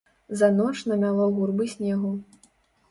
За ноч намяло гурбы снегу.